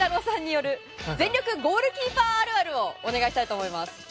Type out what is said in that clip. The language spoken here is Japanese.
さんによる全力ゴールキーパーあるあるをお願いしたいと思います。